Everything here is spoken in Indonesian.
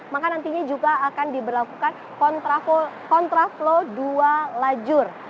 maka nantinya juga akan diberlakukan kontra flow dua lajur